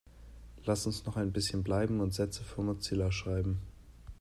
Lasst uns noch ein bisschen bleiben und Sätze für Mozilla schreiben.